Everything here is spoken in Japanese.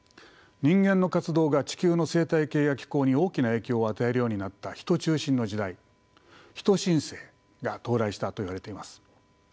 人間の活動が地球の生態系や気候に大きな影響を与えるようになったヒト中心の時代人新世が到来したといわれています。